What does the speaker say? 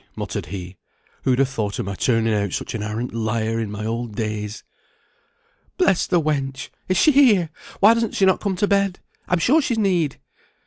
muttered he, "who'd ha' thought of my turning out such an arrant liar in my old days?" "Bless the wench! Is she here? Why does she not come to bed? I'm sure she's need."